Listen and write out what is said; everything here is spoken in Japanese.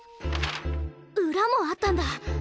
裏もあったんだ！